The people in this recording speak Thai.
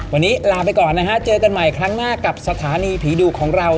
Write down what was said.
วันนี้ลาไปก่อนนะฮะเจอกันใหม่ครั้งหน้ากับสถานีผีดุของเรา